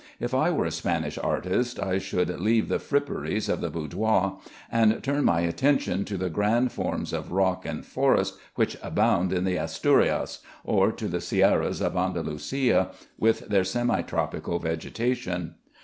If I were a Spanish artist I should leave the fripperies of the boudoir, and turn my attention to the grand forms of rock and forest which abound in the Asturias, or to the sierras of Andalusia, with their semitropical vegetation.